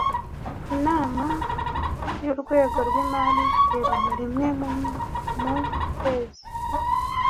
Inama y’Urwego rw Imari iterana rimwe mumu kwezi